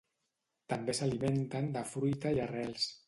També s'alimenten de fruita i arrels.